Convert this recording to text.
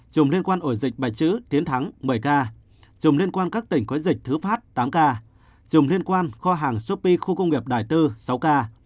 chùm liên quan ổ dịch bạch chữ tiến thắng một mươi ca chùm liên quan các tỉnh quấy dịch thứ phát tám ca chùm liên quan kho hàng sopi khu công nghiệp đài tư sáu ca